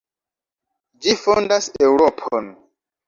Ĝi fondas Eŭropon.